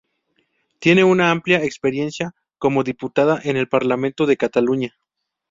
Tiene una amplia experiencia como diputada en el Parlamento de Cataluña.